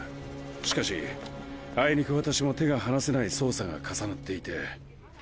しかしあいにく私も手が離せない捜査が重なっていて。